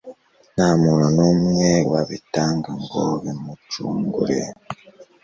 nta muntu n'umwe wabitanga ngo bimucungure